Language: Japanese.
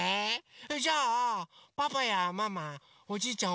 それじゃあパパやママおじいちゃん